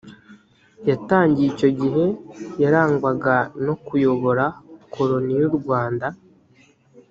yatangiye icyo gihe yarangwaga no kuyobora koroni y urwanda